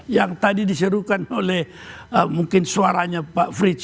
yang tadi diserukan oleh mungkin suaranya pak frits